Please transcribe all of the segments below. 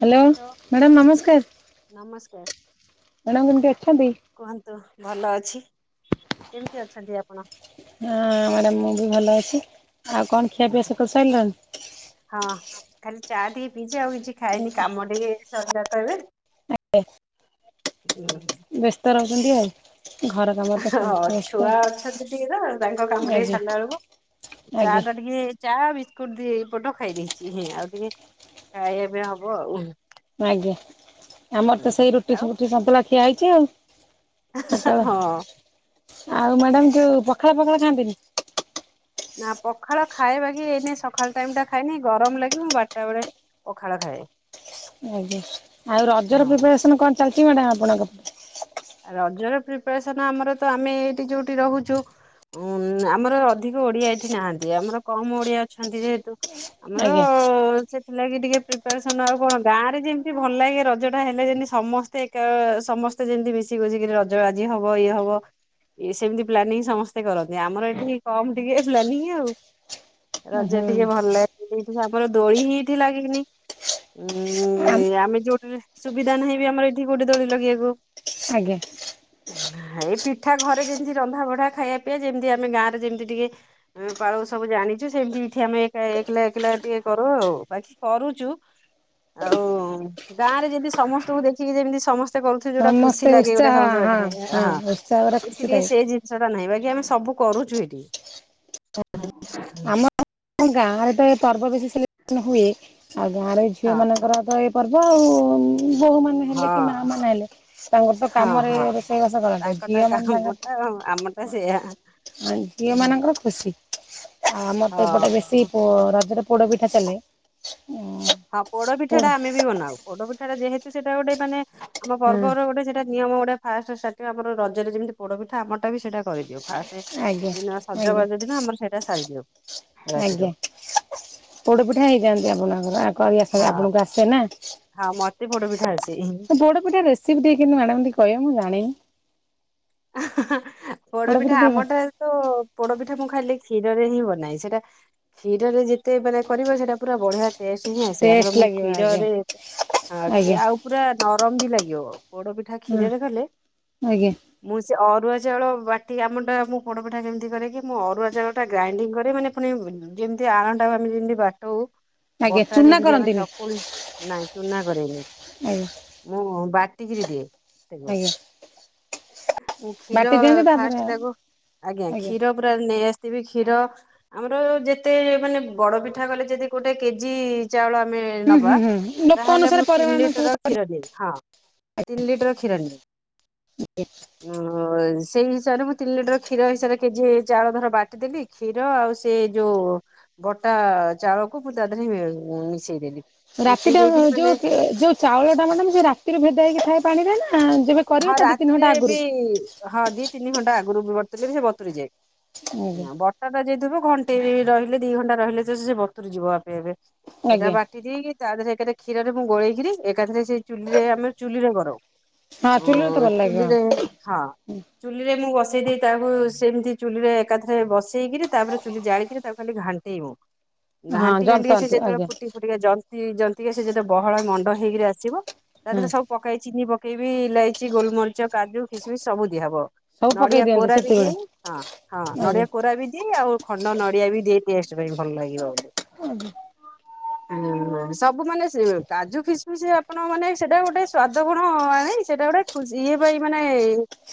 Hello, madam ନମସ୍କାର। ନମସ୍କାର। Madam କେମିତି ଅଛନ୍ତି? କୁହନ୍ତୁ ଭଲ ଅଛି, କେମିତି ଅଛନ୍ତି ଆପଣ? ହଁ ମ୍ୟାଡ଼ାମ ମୁଁ ବି ଭଲ ଅଛି, ଆଉ କଣ ଖିଆ ପିଆ ଓହୋ ସ କରିସାରିଲଣି? ହଁ ଖାଲି ଚା ଟିକେ ପିଇଚି ଆଉ କିଛି ଖାଇନି କାମ ଟିକେ ସରିଲା ତ ଏବେ। [unintelligible] ହୁଁ। ବ୍ୟସ୍ତ ରହୁଛନ୍ତି ଆଉ। ଘର କାମରେ ତ ହଁ ସମସ୍ତେ ବ୍ୟସ୍ତ ଛୁଆ ଅଛନ୍ତି ଟିକେ ତ, ତାଙ୍କ କାମଟା ଟିକେ ଆଜ୍ଞା ସାରିଲା ବେଳକୁ ଚା ଆଜ୍ଞା। ଟା ଟିକେ ଚାହା ବିସ୍କୁଟ ଦି ଏଇପଟ ଖାଇ ଦେଇଛି ଆଉ ଟିକେ ଖାଇ ଏବେ ହବ ଆଉ। ଆଜ୍ଞା ଆମର ତ ସେଇ ରୁଟି, ଆଉ ରୁଟି ସନ୍ତୁଳା ଖିଆ ହେଇଛି ଆଉ। ଆ ଚାଳ ହଁ। ଆଉ ମ୍ୟାଡାାମ ଯୋଉ ପଖାଳ ପଖାଳ ଖାଆନ୍ତିନି? ନା ପଖାଳ ଖାଏ ବାକି ଏଇନା ସକାଳ ଟାଇମ୍ ଟା ଖାଇନି, ଗରମ ଲାଗି ମୁଁ ବାରଟା ବେଳେ ପଖାଳ ଖାଏ। ଆଜ୍ଞା, ଆଉ ରଜର ହଁ। ପ୍ରିପାରେସନ କଣ ଚାଲିଛି ମ୍ୟାଡାମ ଆପଣଙ୍କର? ରଜରେ ପ୍ରିପାରେସନ ଆମର ତ ଆମେ ଏଇଠି ଯୋଉଠି ରହୁଚୁ ଉଁ ଆମର ଅଧିକ ଓଡିଆ ଏଠି ନାହାନ୍ତି, ଆମର କମ ଓଡିଆ ଅଛନ୍ତି ଯେହେତୁ। ଆମର ଆଜ୍ଞା ସେ ଥିଲାଗି ଟିକେ ପ୍ରିପାରେସନ ଆଉ କଣ, ଗାଁରେ ଯେମିତି ଭଲ ଲାଗେ ରଜଟା ହେଲେ ଯେମିତି ସମସ୍ତେ ସ୍ତେ ଏକ ସମସ୍ତେ ଯେମିତି ମିଶି ବୁଝିକରି ରଜ ବାଜ ହବ ଇଏ ହବ। ଇଏ ସେମିତି ପ୍ଲାନିଂ ସମସ୍ତେ କରନ୍ତି, ଆମର ଏଠି କମ ଟିକେ ପ୍ଲାନିଂ ଆଉ। ରଜ ହୁଁ। ଟିକେ ଭଲ ଲାଗେ ତାପର ଦୋଳି ହେଇଥିଲା କିିନି ଉଁ ଆମେ ଯୋଉଁଠି ସୁବିଧା ନାହିଁ ବି ଆମର ଏଠି ଗୋଟେ ଦୋଳି ଲଗେଇବାକୁ। ଆଜ୍ଞା। ହେଇ ପିଠା ଘରେ ଯେମିତି ରନ୍ଧା ବଢା ଖାଇବା ପିଇବା, ଯେମତି ଆମେ ଗାଁରେ ଯେମିତି ଟିକେ ପାଳଉ ସବୁ ଜାଣିଛୁ ସେମିତି ଏଠି ଆମେ ଏକ ଏକଲା ଏକଲା ଟିକେ କରଉ ବାକି କରୁଛୁ। ଆଉ ଗାଁ ରେ ଯଦି ସମସ୍ତଙ୍କୁ ଦେଖିକି ଯେମିତି ସମସ୍ତେ କରୁଥି ଖୁସି ସମସ୍ତେ ଲାଗେ ଗୋଟେ ଉତ୍ସାହ ସମସ୍ତଙ୍କ ହଁ ପାଖରେ ହଁ ଉତ୍ସାହରେ ଖୁସି ଏଠି ଟିକେ ଥାଏ। ସେ ଜିନି ସେଟା ନାହିଁ ବାକି ଆମେ ସବୁ କରୁଛୁ ଏଠି। ଆମ ଗାଁରେ ତ ପର୍ବ ବେଶୀ ହୁଏ ଆଉ ଗାଁରେ ଝିଅ ହଁ ମାନଙ୍କର ତ ଏଇ ପର୍ବ, ଆଉ ବୋହୂ ମାନେ ହଁ ହେଲେ କି ମା ମାନେ ହେଲେ ତାଙ୍କର ତ ହଁ କାମରେ ହଁ ରୋଷେଇବାସ କରନ୍ତି, ଝିଅ ମାନେ ତାଙ୍କର ହଁ ଆମର ଟା ସେଇଆ। ଆ ଝିଅ ମାନଙ୍କର ଖୁସି। ଆମର ହଁ ତ ଏପଟେ ବେଶୀ ହଁ ପୋ ରଜରେ ପୋଡ଼ ପିଠା ଚାଲେ। ହଁ ପୋଡ ପିଠାଟା ଆମେ ବି ବନାଉ, ପୋଡ ପିଠାଟା ଯେହେତୁ ସେଇଟା ଗୋଟେ ମାନେ ଆମ ହଁ ପର୍ବର ଗୋଟେ ସେଟା ନିୟମ ଗୁଟା ଫାଷ୍ଟ ଷ୍ଟାଟିଙ୍ଗ ଆମର ରଜରେ ଯେମିତି ପୋଡ଼ ପିଠା, ଆମଟା ବି ସେଇଟା କରିଦିଉ। ଫାଷ୍ଟ ଆଜ୍ଞା ଦିନ ଆଜ୍ଞା ସଜବାଜ ଦିନ ଆମର ସେଇଟା ସାରି ଦିଉ। ଆଜ୍ଞା ପୋଡ ପିଠା ହେଇଯାନ୍ତି ହଁ ଆପଣଙ୍କର ୟାଙ୍କ ୟେ ଆସିବେ ଆପଣଙ୍କ ଆସେ ନା। ହାଁ ମତେ ପୋଡ଼ ପିଠା ଆସେ। ପୋଡ଼ପିଠା ରେସିପି ଟା କେମିତି ଟିକେ ଆଣନ୍ତେ କହିବେ ମୁଁ ଜାଣିନି। ଆ ହାଁ ଆ ପୋଡ ପିଠା ପୋଡପିଠା ଟିକେ ଆମଟା ତ ପୋଡ଼ପିଠା ମୁଁ ଖାଲି କ୍ଷୀରରେ ହିଁ ବନାଏ, ସେଇଟା କ୍ଷୀରରେ ଯେତେ ମାନେ କରିବ ସେଟା ପୁରା ବଢ଼ିଆ ଟେଷ୍ଟ ହିଁ ଆସେ, ଟେଷ୍ଟ ଆମର ମୁଁ ଲାଗିବ ଆଜ୍ଞା କ୍ଷୀରରେ ଆଜ୍ଞା ଆଉ ପୁରା ନରମ ବି ଲାଗିବ, ପୋଡ଼ପିଠା ହଁ କ୍ଷୀରରେ କଲେ ଆଜ୍ଞା ମୁଁ ସେ ଅରୁଆ ଚାଉଳ ବାଟି ଆମଟା ମୁଁ ପୋଡପିଠା ଯେମିତି କରେ କି? ମୁଁ ଅରୁଆ ଚାଉଳଟା ଗ୍ରାଇଡିଙ୍ଗ କରେ ମାନେ ପୁଣି ଯେମତି ଆରଟ ଆମେ ଯେମିତି ବାଟଉ ଆଜ୍ଞା ବଟା ଚୁନା ଯେମିତି ଆମେ କରନ୍ତିନି ଚକୁଳି ନାଇଁ ଚୁନା କରେନି। ଆଜ୍ଞା ମୁଁ ବାଟି କିରି ଦିଏ। ତାକୁ ଆଜ୍ଞା ମୁଁ କ୍ଷୀର ବାଟି ଦିଅନ୍ତି ତାପରେ ଫାଷ୍ଟ ତାକୁ- ଆଜ୍ଞା, କ୍ଷୀର ପୁରା ନେଇ ଆସିଥିବି କ୍ଷୀର। ଆମର ଯେତେ ମାନେ ବଡ ପିଠା କଲେ ଯଦି ଗୋଟେ କେଜି ଚାଉଳ ଆମେ ହୁଁ ହୁଁ ନେବା ହୁଁ ଲୋକ ତାହେଲେ ଅନୁସାରେ ମୁଁ ତିନି ଲିଟର ପରିମାଣ କ୍ଷୀର ଦେବି ହଁ। ତିନି ଲିଟର କ୍ଷୀର ଦେବି। [unintelligible] ହୁଁ ହଁ ସେଇ ହିସାବରେ ମୁଁ ତିନି ଲିଟର କ୍ଷୀର ହିସାବରେ କେଜି ଚାଉଳ ଧର ବାଟି ଦେଲି। କ୍ଷୀର ଆଉ ସେ ଯୋଉ ବଟା ଚାଉଳକୁ ମୁଁ ତା ଦେହରେ ମିଶେଇ ଦେଲି। ମିଶେଇ ରାତିଟା ଦେଇକିରି ଯୋଉ ମାନେ ଯୋଉ ଚାଉଳଟା ମେଡ଼ମ୍ ସେ ରାତିରୁ ଭେଦା ହେଇକି ଥାଏ ପାଣିରେ ନା ଯେବେ କରିବେ ହଁ ତା ଦି ତିନି ଘଣ୍ଟା ରାତିରେ ବି ଆଗରୁ ହଁ ଦି ତିନି ଘଣ୍ଟା ଆଗରୁ ବତୁରିଲେ ବି ସେ ବତୁୁରି ଯାଏ। ଆଜ୍ଞା ଟା ଯାଇଥିବ ଘଣ୍ଟେ ରହିଲେ ଦି ଘଣ୍ଟା ରହିଲେ ତ ସେ ବତୁରି ଯିବ ଆପେ ଆପେ। ସେଇଟା ଆଜ୍ଞା ବାକି ସିଝେଇ କି ତା ଦେହରେ ଏକାରେ କ୍ଷୀରରେ ମୁଁ ଗୋଲେଇ କରି ଏକାଥରେ ସେଇ ଚୁଲିରେ, ଆମେ ଚୁଲିରେ କରୁ। ଚୁଲିରେ ତ ହଁ ଭଲ ଲାଗିବ ଚୁଲିରେ ହଁ। ଚୁଲିରେ ମୁଁ ବସେଇ ଦେଇ ତାକୁ ସେମିତି ଚୁଲିରେ ଏକାଥରେ ବସେଇ କିରି ତାପରେ ଚୁଲି ଜାଳି କରି ତାକୁ ଖାଲି ଘାଣ୍ଟ ଣ୍ଟିବୁ, ହଁ ଘାଣ୍ଟିି ଘାଣ୍ଟିିକା ସେ ଜନ୍ତନ୍ତି ଯେତେବେଳେ ଆଜ୍ଞା ଫୁଟି ଟିକେ ଜନ୍ତି ଜନ୍ତିିକ ସେ ଯେତେ ବହଳ ମଣ୍ଡ ହେଇକି ଆସିବ। ତା ହଁ ଦେହ ସବୁ ପକେଇ ଚିନି ପକେଇ ବି ଇଲାଇଚି, ଗୋଲ ମରିଚ, କାଜୁ, କିସମିସ ସବୁ ଦିଆ ହେବ। ସବୁ ପକେଇ ନଡିଆ ଦିଅନ୍ତି କୋରା ବି ଦିଏ, ସେତିକିବେଳେ ହଁ ହଁ ଆଜ୍ଞା ନଡିଆ କୋରା ବି ଦିଏ ଆପଣ ଖଣ୍ଡ ନଡିଆ ବି ଦେଇ ଦିଏ ଟେଷ୍ଟ ଲାଗି ଭଲ ଲାଗିବ ବୋଲି। ଉହୁଁ ହୁଁ ସବୁ ମାନେ ସେ କାଜୁ, କିସମିସି ଆପଣ ମାନେ ସେଟା ଗୋଟେ ସ୍ଵାଦ ଗୁଣ। ନାଇ ସେଇଟା ଗୋଟେ ଖୁସି, ଇଏ ଭାଇ ମାନେ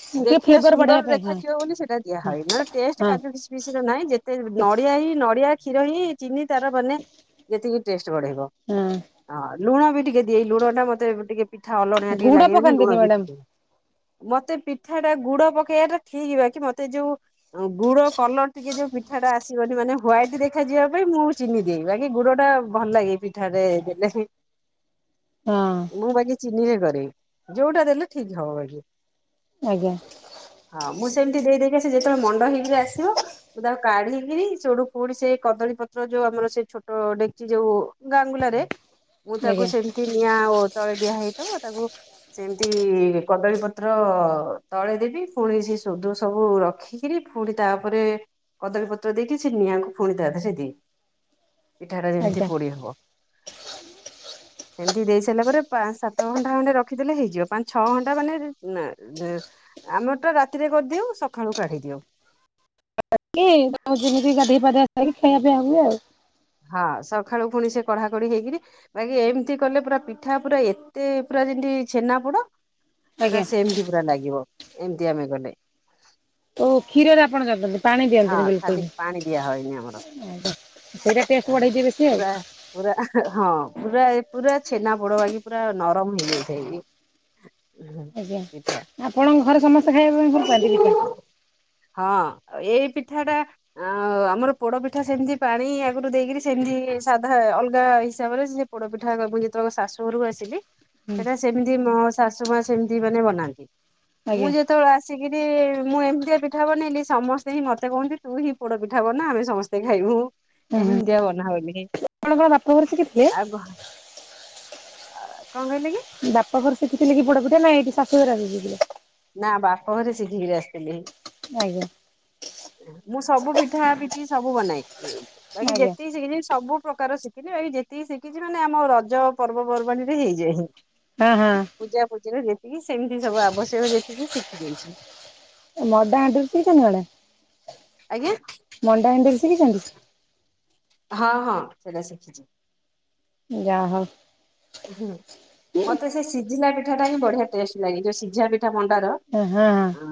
ଟିକେ ଦେଖିବା ଫ୍ଲେଭର ବଢେଇବା ସୁନ୍ଦର ପାଇଁ ହଁ ଦେଖାଯିବ ବୋଲି ସେଟା ଦିଆ ହୁଏ, ନ ହଁ ହେଲେ ଟେଷ୍ଟ ନଡିଆ ହିଁ, ନଡିଆ କ୍ଷୀର ହିଁ। ଚିନି ତାର ବନେ ଯେତିକି ଟେଷ୍ଟ ବଢେଇବ, ହଁ ଲୁଣ ବି ଟିକେ ଏଇ ଲୁଣ ଟା ମତେ ଟିକେ ମିଠା ଅଲନିଆ ଟିକେ ଗୁଡ ଲାଗେ ବୋଲି ପକାନ୍ତିନି ଲୁଣ ମ୍ୟାଡାମ ମତେ ପିଠା ଟା ଗୁଡ ପକେଇବା ଠିକ୍ ବାକି ମତେ ଯୋଉ ଗୁଡ କଲର ଟିକେ ଯୋଉ ପିଠା ଟା ଆସିବନି ମାନେ ହ୍ୱାଇଟ ଦେଖାଯିବା ପାଇଁ ମୁଁ ଚିନି ଦେଇକି ବାକି ଗୁଡ଼ ଟା ଭଲ ଲାଗେ ମିଠା ରେ - ହଁ। ମୁଁ ଵାକି ଚିନି ରେ କରେ ବି ଯୋଉଟା ଦେଲେ ଠିକ ହବ ଭାଇ। ଆଜ୍ଞା। ହଁ ମୁଁ ସେମିତି ଦେଇ ଦେଇ ଆସିବି ଯେତେ ବେଳେ ମଣ୍ଡ ହେଇକି ଆସିବ ତାକୁ କାଢିକିରି ସେଢୁ ପୁଣି ସେ କଦଳୀ ପତ୍ର ଯୋଉ ଆମର ସେ ଛୋଟ ଡେକ୍ଚୀ ଯୋଉ ଗାଙ୍ଗୁଲା ରେ ମୁଁ ଆଜ୍ଞା ତାକୁ ସେମିତି ନିଆଁ ତଳେ ଦିଆ ହେଇ ଥିବ ତାକୁ ସେମିତି କଦଳୀ ପତ୍ର ତଳେ ଦେବି ପୁଣି ସେ ସୋଦୁଅ ସବୁ ରଖି ରି ପୁଣି ତାପରେ କଦଳୀ ପତ୍ର ଦେଇକି ସେ ନିଆଁଙ୍କୁ ପୁଣି ତା ଦିହରେ ଦେଇ ଦେବୀ। ପିଠା ଟା ଆଜ୍ଞା ଯେମିତି ପୋଡି ହବ। ସେମିତି ଦେଇ ସାରିଲା ପରେ ପାଞ୍ଚ ସାତ ଘଣ୍ଟା ଖଣ୍ଡେ ର ରଖିଦେଲେ ହେଇଯିବ ପାଞ୍ଚ ଛ ଘଣ୍ଟା ମାନେ ନା ଆମର ଟା ରାତିରେ କରିଦିଉ ସକାଳୁ କାଢି ଦିଉ। କି ଯେମିତି ଗାଧୋଇ ପାାଧେଇ ଆସି ଖାଇବା ପିଇବା ହୁଏ ଆଉ। ହଁ ସକାଳୁ ପୁଣି ସେ କଢା କଢି ହେଇକିରି ବାକି ଏମିତି କଲେ ପୁରା ପିଠା ପୁରା ଏତେ ପୁରା ଯେମତି ଛେନା ପୋଡ। ପୁରା ଆଜ୍ଞା। ସେମିତି ପୁରା ଲାଗିବ ଏମତି ଆମେ କଲେ। ଓ କ୍ଷୀରରେ ଆପଣ ଜ ପାଣି ହଁ ଦିଅନ୍ତିନି ବେଶୀ ଖାଲି ପାଣି ଦିଆ ହଏନି ଆମର ବିଲକୁଲ ପୁରା ପୁରା ହଁ ପୁରା ପୁରା ଛେନା ପୋଡ ବାକି ପୁରା ନରମ ହେଇଯାଇଥାଏ କି ଆଜ୍ଞା ଆପଣଙ୍କ ଘରେ ସମସ୍ତେ ଖାଇବା ପାଇଁ ଭଲ ପାଆନ୍ତି କି? ହଁ ଏଇ ପିଠା ଟା ଆଉ ଆମର ପୋଡ ପିଠା ସେମିତି ପାଣି ଆଗରୁ ଦେଇକରି ସେମିତି ସାଧା ଅଲଗା ହିସାବରେ ସେ ପୋଡ ପିଠା କରିବି ମୁଁ ଯେତେ ବେଳେ ମୁଁ ଶାଶୁଘରୁ ଆସିବି ହୁଁ ସେଟା ସେମିତି ମୋ ଶାଶୁ ମା ସେମିତି ମାନେ ବନାନ୍ତି। ମୁଁ ଆଜ୍ଞା। ଯେତେବେଳେ ଆସିକିରି ମୁଁ ଏମିତିଆ ପି ପିଠା ବନେଇଲେ ସମସ୍ତେ ହିଁ ମତେ କହନ୍ତି ତୁ ହିଁ ପୋଡ ପିଠା ବନା ଆମେ ସମସ୍ତେ ଖାଇବୁ। ହୁଁ ହୁଁ ଏମତିଆ ବନା ହଉନି। ଆପଣ କଣ ବାପା ଘରୁ ଶିଖିଥିଲେ? ଆ କହ କଣ କହିଲେ କି? ବାପା ଘର ଶିଖି ଥିଲେ କି ପୋଡ଼ ପିଠା ନା ଏଇଠି ଶାଶୁ ଘରେ ରହି ନା ବାପ ଘରେ ସିଖିକି ଆସିଥିଲି। ଆଜ୍ଞା। ମୁଁ ସବୁ ପିଠା ପିଠି ଆଜ୍ଞା ଜେତିକି ଶିଖିଚି ମାନେ ଆମ ରଜ ପର୍ବ ପର୍ବାଣୀ ରେ ହେଇଯାଏ। ହଁ ହଁ। ପୂଜା ପୂଜିରେ ଯେତିକି ସେମିତି ସବୁ ଆବଶ୍ୟକ ଯେତିକି ଶିଖି ଯାଇଚି। ଏ ମଡ଼ ହାଣ୍ଡିରୁ [unintelligible] ଆଜ୍ଞା। ମଣ୍ଡା ହାଣ୍ଡି ଶିଖି ଛନ୍ତି। ହଁ ହଁ ସେଟା ଶିଖିଛି। ଯା ହଉ। ହୁଁ ମତେ ସେ ସିଝିଲା ପିଠା ଟା ହିଁ ବଢିଆ ଟେଷ୍ଟ ଲାଗେ ଯୋଉ ସିଝା ପିଠା ମଣ୍ଡାର। ହଁଁ। [unintelligible] ହଁ।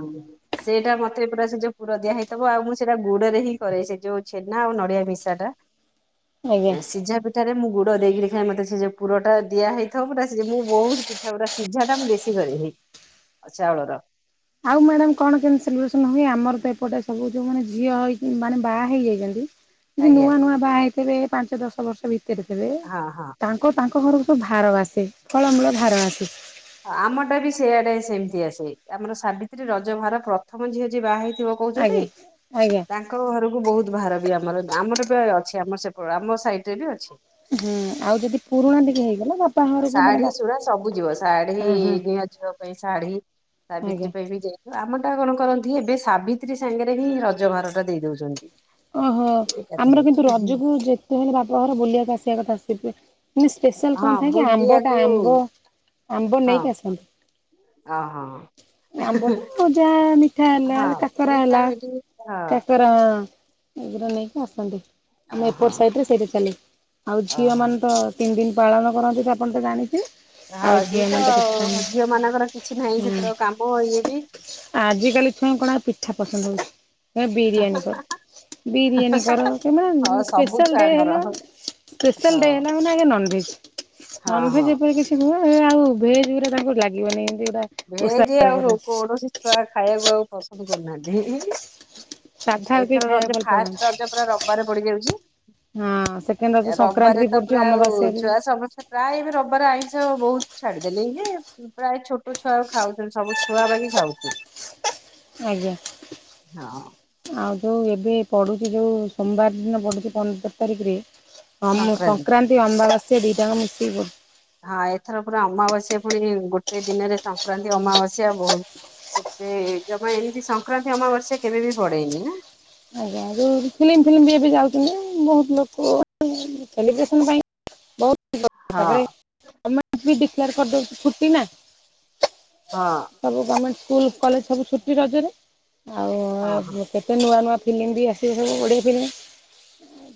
ସେଇଟା ମତେ ପୁରା ସେ ଯୋଉ ପୁର ଦିଆ ହେଇଥିବ ଆଉ ମୁଁ ସେଇଟା ଗୁଡରେ ହିଁ କରେ ସେ ଯୋଉ ଛେନା ଆଉ ନଡିଆ ମିଶାଟା। ଆଜ୍ଞା। ସିଝା ପିଠା ରେ ମୁଁ ଗୁଡ଼ ଦେଇକିରି ଖାଏ ମତେ ସେ ଯୋଉ ପୁର। ଦିଆ ହେଇଥିବ ପୁରା ସେ ମୁଁ ବହୁତ ପିଠା ପୁରା ସିଝା ଟା ମୁଁ ବେଶୀ କରିବି ଚାଉଳର। ଆଉ ମ୍ୟାଡ଼ାମ୍ କଣ କେମିତି ସେଲିବ୍ରେସନ ହୁଏ ଆମର ତ ଏପଟେ ସବୁ ଯୋଉ ମାନେ ଝିଅ ଇ ମାନେ ବାହା ହେଇଯାଇଛନ୍ତି। ଯିଏ ଆଜ୍ଞା ନୂଆ ନୂଆ ବାହା ହେଇଥିବେ ପାଞ୍ଚ ଦଶ ବର୍ଷ ଭିତରେ ଥିବେ। ହଁ ହଁ। ତାଙ୍କ ଘରକୁ ତ ଭାର ଆସେ ଫଳମୂଳ ଭାର ଆସେ। ଆମ ଟା ବି ସିଆଡେ ସେମିତି ଆସେ ଆମର ସାବିତ୍ରୀ ରଜ ଭାର ପ୍ରଥମ ଝିଅ ଯିଏ ବାହା ହେଇଥିବ। କହୁଛ ତାଙ୍କ ଆଜ୍ଞା [unintelligible] ଆଜ୍ଞା ତାଙ୍କ ଘରକୁ ବହୁତ ଭାର ବି ଆମର ଆମର ବି ଅଛି ଆମ ସେ ଆମ ସାଇଡ୍ ରେ ବି ଅଛି। ହୁଁ ଆଉ ଯଦି ପୁରୁଣା ଟିକେ ହେଇଗଲା ବାପା ଘରକୁ ମାନେ ଶାଢୀ ସୁଢା ସବୁ ବାପା-। ଯିବ ଶାଢୀ ହଁ ହଁ ନୂଆ ଝିଅ ପାଇଁ ଶାଢୀ ସାବିତ୍ରୀ ଆଜ୍ଞା ପାଇଁ ବି ଯାଇ। ଆମ ଟା କଣ କରନ୍ତି ଏବେ ସାବିତ୍ରୀ ସାଙ୍ଗରେ ହିଁ ରଜ ଭାରଟା ଦେଇ ଦଉଛନ୍ତି। ଓହୋ ଆମର କିନ୍ତୁ ଏକାଥରେ ରଜକୁ ଯେତେ ହେଲେ ବାପଘର ବୁଲିବାକୁ ଆସିବା କଥା ଆସିବେ। ମାନେ ସ୍ପେଶାଲ ହଁ କଣ ଥାଏ କି ଆମ୍ବ ଟା ବୁଲିବାକୁ ଆମ୍ବ ଆମ୍ବ ନେଇକି ଆସନ୍ତି। ହଁ ହଁ। ପୂଜା ମିଠା ହେଲା କାକରା ମିଠା ହେଲା ମିଠି ହଁ କାକରା। ଏଇରା ନେଇକି ଆସନ୍ତି ଆମ ଓହୋ ଏପଟ ସାଇଡ୍ ରେ ସେଇରା ଚାଲେ ଆଉ ଝିଅ ଓହୋ ମାନେ ତ। ତିନି ଦିନ ପାଳନ କରନ୍ତି ତ ଆପଣ ତ ଜାଣିଥିବେ। ଆଉ ହଁ ସେଇଏ ଝିଅମାନେ ତ କିଛି କାମ ଝିଅ ମାନଙ୍କର କିଛି ନାହିଁ ହୁଁ ସେଥିର କାମ ଇଏ ବି। ଆଜିକାଲି ଛୁଆଙ୍କୁ କଣ ଆଉ ପିଠା ପସନ୍ଦ ହଉଛି ଏ ବିରିୟାନୀ କର। ବିରିୟାନୀ କର କିମ୍ବା ହଁ ସବୁ ସ୍ପେଶାଲ୍ ଡେ ଛୁଆଙ୍କର ହେଲା ହଁ ମାନେ। ସ୍ପେଶାଲ୍ ହଁ ଡେ ହେଲା ମାନେ ଆଗ ନନଭେଜ୍ ନନଭେଜ୍ ହଁ ଯେପରିକି। ଆଉ ଭେଜ୍ ବି ରା ତାଙ୍କୁ ଲାଗିବନି ଏମିତି ଗୁରା। ଓଷା ଭେଜ୍ ଯେ ଆଉ କଲେ କୌଣସି ଛୁଆ ଖାଇବାକୁ ଆଉ ପସନ୍ଦ କରୁନାହାନ୍ତି। ସାଧା ଆଉ କେହି ଏଥର ରଜ ଖାଇବାକୁ ଭଲ ଫାଷ୍ଟ ପାଉନାହାନ୍ତି ରଜ ପରା ରବିବାରେ ପଡି ଯାଉଛି। ହଁ ସେକେଣ୍ଡ ରଜ ସଂକ୍ରାନ୍ତି ରବିବାରେ ବି ତ ପଡୁଛି ପୁରା ଆଉ ଅମାବାସ୍ୟା ବି ଛୁଆ ସମସ୍ତ। ପ୍ରାୟ ଏବେ ରବିବାର ଆଇଁଷ ବହୁତ ଛାଡିଦେଲେ ଇଏ ପ୍ରାୟ ଛୋଟ। ଛୋଟ ଛୁଆ ଖାଉଛନ୍ତି ସବୁ ଛୁଆ ପାଇଁ ଖାଉଛି଼ ଆଜ୍ଞା। ହଁ ଆଉ ଯୋଉ ଏବେ ପଡୁଛି ଯୋଉ ସୋମବାର ଦିନ ପଡୁଛି ପନ୍ଦର ତାରିଖରେ। ସଂକ୍ରାନ୍ତି ଅମାବାସ୍ୟା ଦିଇଟାଙ୍କ ମିଶିକି ପଡୁଛି। ହଁ ଏଥର ପୁରା ଅମାବାସ୍ୟା ପୁଣି ଗୋଟେ ଦିନରେ ସଂକ୍ରାନ୍ତି ଅମାବାସ୍ୟା ବହୁତ। ଏତେ ଜମା ଏମିତି ସଂକ୍ରାନ୍ତି ଅମାବାସ୍ୟା କେବେ ବି ପଡେନି ନା। ଆଜ୍ଞା ଯୋଉ ଫିଲ୍ମ ଫିଲିମ୍ ବି ଏବେ ଯାଉଛନ୍ତି ବହୁତ ଲୋକ। ସେଲିବ୍ରେସନ ପାଇଁ ବହୁତ। ହଁ ତାପରେ ଗଣ୍ଟ ଡିକୟାର କରିଦଉଛି ଛୁଟି ନା [inaudible] [inaudible] ହଁ। ସବୁ ଗମେଣ୍ଟ ସ୍କୁଲ କଲେଜ ସବୁ ଛୁଟି ରଜରେ ହଁ ହଁ ଆଉ କେତେ ନୂଆ ନୂଆ। ଫିଲ୍ମ ବି ଆସିବ ସବୁ ଓଡିଆ ଫିଲ୍ମ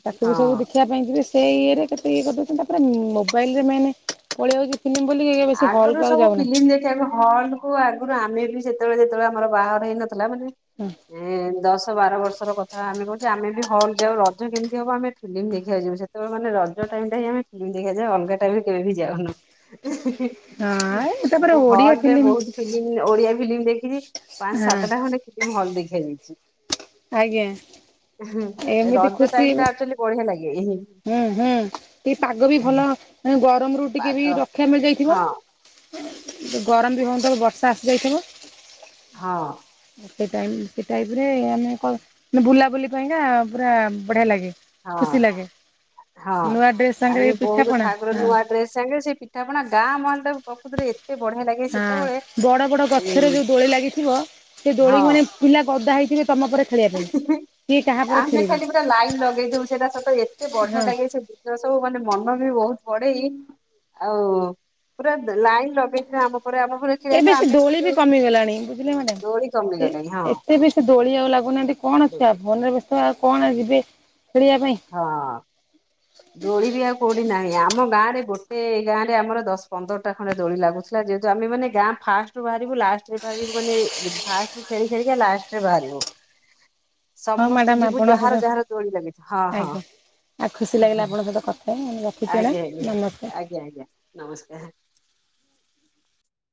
ତାକୁ ବି ସବୁ ଦେଖ। ହଁ ଦେଖିବା ପାଇଁ ଯିବେ ସେ ଇଏରେ କେତେ ଇଏ କରିଦେଉଛନ୍ତି ତାପରେ ମୋବାଇଲ ରେ ମେନେ ପଳେଇଆଉଛି। ଫିଲ୍ମ ବୁଲି ବେଶି ହଲ୍ ଆଗରୁ କୁ ଆଉ ସବୁ ଯାଉନା। ଫିଲ୍ମ ହଲ କୁ ଆଗରୁ ଆମେ ବି ସେତେବେଳେ ଯେତେବେଳେ ଆମର ବାହାର ହେଇନଥିଲା ମାନେ। ହୁଁ। ଏ ଦଶ ବାର ବର୍ଷର କଥା ଆମେ କହୁଛେ ଆମେ ବି ହଲ୍ ଯାଉ ରଜ କେମିତି ହବ ଆମେ ଫିଲ୍ମ ଦେଖିଆ ଯିବୁ କେବଳ ମାନେ ରଜ ଟାଇମ ଟାହିଁ ଆମେ ଫିଲ୍ମ ଦେଖିଯାଉ ଅଲଗା ଟାଇମ କେବେ ବି ଯାଉନୁ। ହଁ ତାପରେ ସବୁ ଓଡିଆ ହଲ ରେ ଫିଲ୍ମ ବହୁତ ଫିଲ୍ମ ଓଡିଆ ଫିଲ୍ମ ଦେଖିଛି ପାଞ୍ଚ ହଁ ସାତଟା ଖଣ୍ଡେ ଫିଲ୍ମ ହଲ ଦେଖିଆକୁଯାଇଛି। ଆଜ୍ଞା ଏମିତି ରଜ ଖୁସି ଟାଇମ ଆକଚୁଲି ବଢିଆ ଲାଗେ। ହୁଁ ହୁଁ ଟିକେ ପାଗ ବି ଭଲ ଗରମ ରୁ ଟିକେ ବି ପାଗ ରକ୍ଷା ମିଳି ଯାଇଥିବ। ହଁ ଗରମ ବି ହଉନଥିବ ବର୍ଷା ଆସି ଯାଇଥିବ। ହଁ। ସେ ଟାଇପ ରେ ଆମେ ବୁଲାବୁଲି ପାଇଁକା ପୁରା ବଢିଆ ଲାଗେ। ହଁ ଖୁସି ଲାଗେ। ହଁ ନୂଆ ଡ୍ରେସ୍ ସାଙ୍ଗରେ ଆମେ ବହୁତ ପିଠାପଣା ଠାକୁର ହଁ ନୂଆ ସାଙ୍ଗେ ସେ ପିଠାପଣା ଗାଁ ମହଲଟାକୁ ପ୍ରକୁତ ରେ ଏ ହଁ ବଡ ବଡ ଗଛରେ ଯୋଉ ଦୋଳି ଲାଗିଥିବ ସେ ଦୋଳିକୁ ମାନେ ହଁ। ପିଲା ଗଦା ହେଇଥିବେ ତମ ପରେ ଖେଳିବା ପାଇଁ କିଏ କାହା ପରେ ଆମେ ଖେଳିବେ ଖାଲି ପୁରା ଲାଇନ୍ ଲଗେଇ ଦଉ ସେଇଟା ସତ ଏତେ ବଢିଆ ହଁ ଲାଗେ ସେ ସବୁ ମାନେ ମନ ବି ବହୁତ ବଢେଇ ଆଉ ପୁରା ଲାଇନ ଲଗେଇଥିଲା ଆମ ପରେ ଆମ ପରେ ଖେଳିବାକୁ ଏବେ ସେ ଆମେ ଦୋଳି ବି ଯୋଉ କମିଗଲାଣି ବୁଝିଲେ ମ୍ୟାଡାମ ଦୋଳି କମିଗଲେଣି ହଁ ସେ ଏତେ ବି ସେ ଦୋଳି ଆଉ ଲାଗୁନାହାନ୍ତି କଣ ଛୁଆ ଦୋଳି [unintelligible] ବ୍ୟସ୍ତ କଣ ଯିବେ ଖେଳିବା ପାଇଁ। ହଁ। [inaudible] ଦୋଳି ବି ଆଉ କଉଠି ନାହିଁ ଆମ ଗାଁ ରେ ଗୋଟେ ଗାଁରେ ଆମର ଦଶ ପନ୍ଦରଟା ଖଣ୍ଡେ ଦୋଳି ଲାଗୁଛି। ଯେହେତୁ ଆମେ ମାନେ ଗାଁ ଫାଷ୍ଟରୁୁ ବାହାରୁ ଲାଷ୍ଟରେ ବାହାରିବୁ ମାନେ ଫାଷ୍ଟୁ ଖେଳି ଖେଳିକା ଲାଷ୍ଟରେ ବାହାରିବୁ। [inaudible] ହଁ ସମସ୍ତେ ମ୍ୟାଡ଼ାମ ଯିବୁ ଆପଣଙ୍କ ଯାହାର ସହିତ ଯାହାର ଦୋଳି ଲାଗିଛି। ହଁ ହଁ ଆଜ୍ଞା ଆଉ ଖୁସି ଲାଗିଲା ଆପଣଙ୍କ ସହିତ କଥା ହେଇ ରଖିଛି ଆଜ୍ଞା ଆଜ୍ଞା ମାଡାମ ନମସ୍କାର। ଆଜ୍ଞା ଆଜ୍ଞା ନମସ୍କାର।